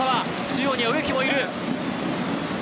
中央に植木もいる。